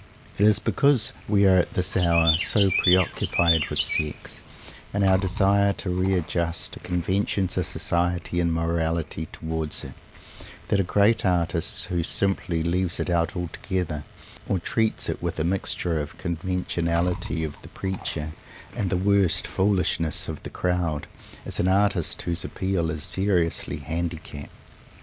It is because we are at this hour so preoccupied with Sex, in our desire to readjust the conventions of Society and Morality towards it, that a great artist, who simply leaves it out altogether, or treats it with a mixture of the conventionality of the preacher and the worst foolishness of the crowd, is an artist whose appeal is seriously handicapped.